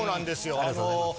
ありがとうございます。